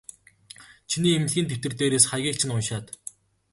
Чиний эмнэлгийн дэвтэр дээрээс хаягийг чинь уншаад.